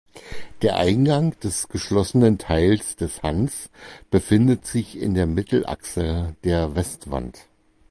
Der Eingang des geschlossenen Teils des Hans befindet sich in der Mittelachse der Westwand.